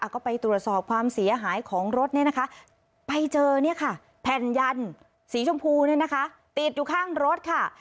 ก็ไปตรวจสอบความเสียหายของรถไปเจอแผ่นยันต์สีชมพูติดอยู่ข้างรถค่ะ